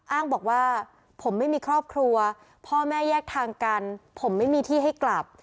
อ้างบอกว่าผมไม่มีครอบครัวพ่อแม่แยกทางกันผมไม่มีที่ให้กลับ